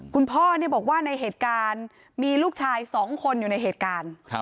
คุณพ่อบอกว่าในเหตุการณ์มีลูกชาย๒คนอยู่ในเหตุการณ์